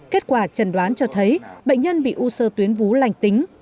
kết quả trần đoán cho thấy bệnh nhân bị u sơ tuyến vú lành tính